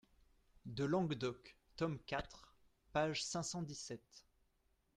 de Languedoc, tome quatre, page cinq cent dix-sept.